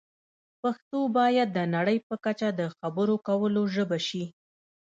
پښتو باید د نړۍ په کچه د خبرو کولو ژبه شي.